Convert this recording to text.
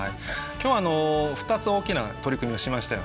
今日は２つ大きな取り組みをしましたよね。